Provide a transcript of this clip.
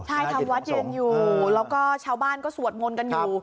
ใช่ทำวัดเย็นอยู่แล้วก็ชาวบ้านก็สวดมนต์กันอยู่